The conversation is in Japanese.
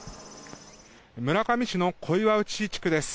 村上市の小岩内地区です。